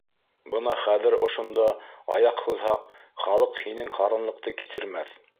Бына хәҙер ошонда аяҡ һуҙһаҡ, халыҡ һинең һаранлыҡты кисермәҫ.